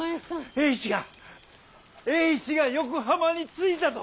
栄一が栄一が横浜に着いたと！